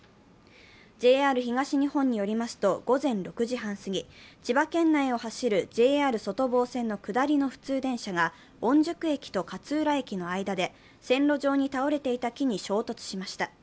ＪＲ東日本によりますと午前６時半過ぎ千葉県内を走るＪＲ外房線の下りの普通電車が御宿駅と勝浦駅の間で線路上に倒れていた木に衝突しました。